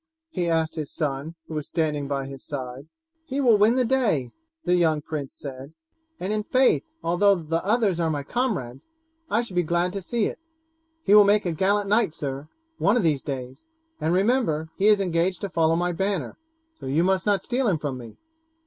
he asked his son, who was standing by his side. "He will win the day," the young prince said; "and in faith, although the others are my comrades, I should be glad to see it. He will make a gallant knight, sir, one of these days, and remember he is engaged to follow my banner, so you must not steal him from me.